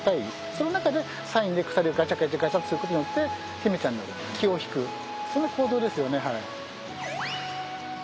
その中でサインで鎖をガチャガチャガチャってすることによって媛ちゃんの気をひくそんな行動ですよね。